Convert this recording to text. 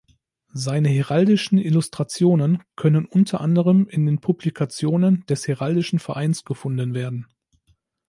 Seine heraldischen Illustrationen können unter anderem in den Publikationen des Heraldischen Vereins gefunden werden.